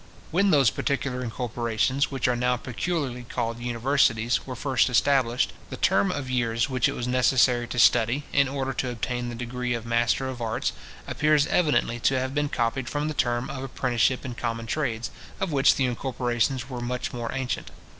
When those particular incorporations, which are now peculiarly called universities, were first established, the term of years which it was necessary to study, in order to obtain the degree of master of arts, appears evidently to have been copied from the term of apprenticeship in common trades, of which the incorporations were much more ancient.